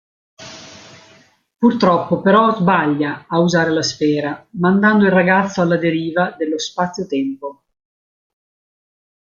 Purtroppo però sbaglia a usare la sfera, mandando il ragazzo alla deriva dello spazio-tempo.